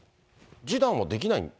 示談はできない？